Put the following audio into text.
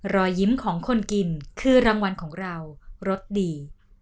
รอยยิ้มของคนกินคือรางวัลของเรารสดี